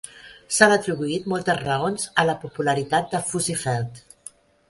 S'han atribuït moltes raons a la popularitat de Fuzzy-Felt.